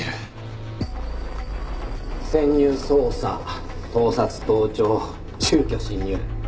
潜入捜査盗撮盗聴住居侵入。